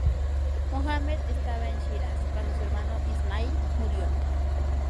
Mohammed estaba en Shiraz cuando su hermano, Ismail, murió.